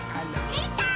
できたー！